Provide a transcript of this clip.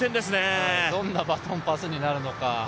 どんなバトンパスになるのか。